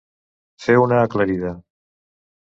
Fer una aclarida.